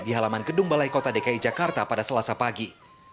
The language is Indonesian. di halaman gedung balai kota dki jakarta pada selasa pagi